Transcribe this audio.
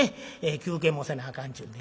休憩もせなあかんちゅうんで。